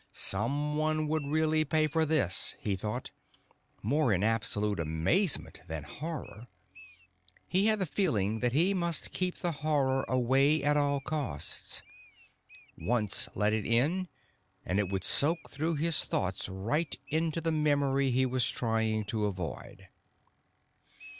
Someone would really pay for this_, he thought, more in absolute amazement than horror. He had the feeling that he must keep the horror away at all costs. Once let it in and it would soak through his thoughts right into the memory he was trying to avoid.